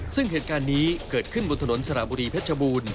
ซึ่งเหตุการณ์นี้เกิดขึ้นบนถนนสระบุรีเพชรบูรณ์